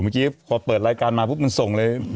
เมื่อกี้พอเปิดรายการมาปุ๊บมันส่งเลย